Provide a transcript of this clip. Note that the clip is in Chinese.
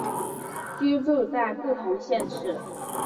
居住在不同县市